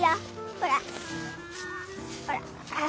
ほら。